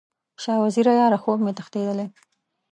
شاه وزیره یاره، خوب مې تښتیدلی